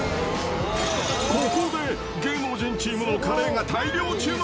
ここで芸能人チームのカレーが大量注文。